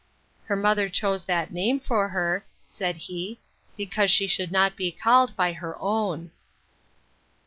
Her mother chose that name for her, said he, because she should not be called by her own.